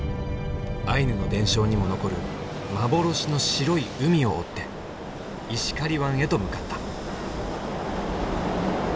アイヌの伝承にも残る幻の白い海を追って石狩湾へと向かった。